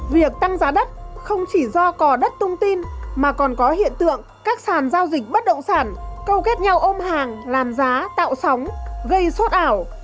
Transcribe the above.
việc tăng giá đất không chỉ do cò đất tung tin mà còn có hiện tượng các sàn giao dịch bất động sản câu kết nhau ôm hàng làm giá tạo sóng gây sốt ảo